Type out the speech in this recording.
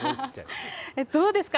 どうですか？